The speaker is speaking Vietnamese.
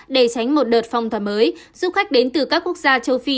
để tránh một đợt phong tỏa mới du khách đến từ các quốc gia châu phi